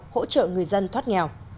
hỗ trợ người dân thoát nghèo